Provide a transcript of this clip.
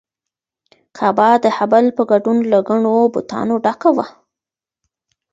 کعبه د هبل په ګډون له ګڼو بتانو ډکه وه.